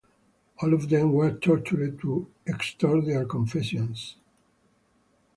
All of them were tortured to extort their "confessions".